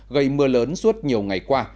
gây mưa lớn suốt nhiều ngày qua